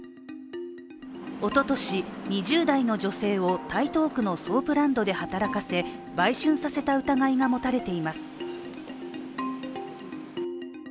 おととし、２０代の女性を台東区のソープランドで働かせ、売春させた疑いが持たれています。